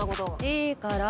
いいから。